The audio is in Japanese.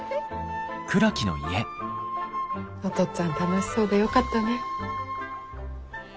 お父っつぁん楽しそうでよかったね。